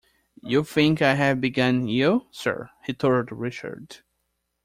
"You think I have begun ill, sir," retorted Richard.